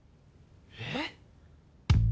えっ？